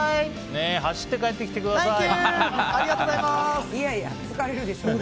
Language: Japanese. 走って帰ってきてください。